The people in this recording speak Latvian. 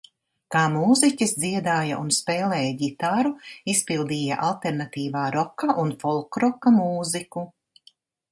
Kā mūziķis dziedāja un spēlēja ģitāru, izpildīja alternatīvā roka un folkroka mūziku.